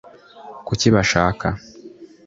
kuki bashaka